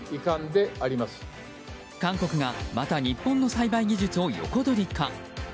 韓国がまた日本の栽培技術を横取りか。